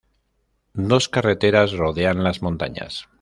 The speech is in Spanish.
Dos carreteras rodean las montañas.